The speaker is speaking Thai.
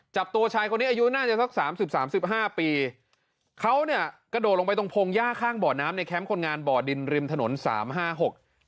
จับตัวชายคนนี้อายุน่าจะสักสามสิบสามสิบห้าปีเขาเนี่ยกระโดดลงไปตรงพงหญ้าข้างบ่อน้ำในแคมป์คนงานบ่อดินริมถนนสามห้าหก